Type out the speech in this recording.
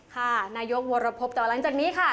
ค่ะนายกโวรพพต่อหลังจากนี้ค่ะ